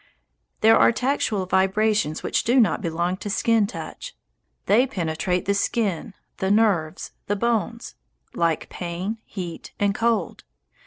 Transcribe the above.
There are tactual vibrations which do not belong to skin touch. They penetrate the skin, the nerves, the bones, like pain, heat, and cold.